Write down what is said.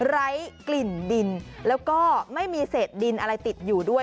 ไร้กลิ่นดินแล้วก็ไม่มีเศษดินอะไรติดอยู่ด้วย